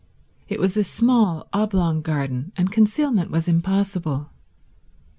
It was a small, oblong garden, and concealment was impossible.